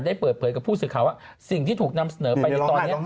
ได้เปิดเผยกับผู้สื่อข่าวว่าสิ่งที่ถูกนำเสนอไปในตอนนี้